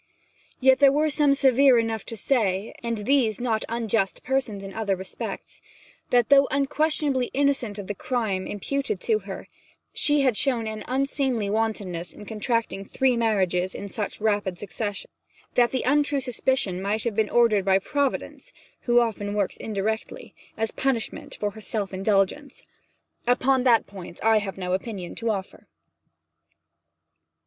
Yet there were some severe enough to say and these not unjust persons in other respects that though unquestionably innocent of the crime imputed to her, she had shown an unseemly wantonness in contracting three marriages in such rapid succession; that the untrue suspicion might have been ordered by Providence (who often works indirectly) as a punishment for her self indulgence. Upon that point I have no opinion to offer.